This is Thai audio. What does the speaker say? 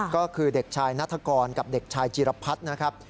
ก็คือเด็กชายนัฐกรกับเด็กชายจีรพัฒน์นะครับ